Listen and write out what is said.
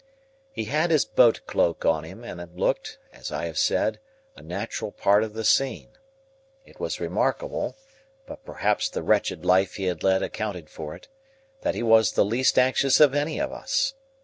He had his boat cloak on him, and looked, as I have said, a natural part of the scene. It was remarkable (but perhaps the wretched life he had led accounted for it) that he was the least anxious of any of us.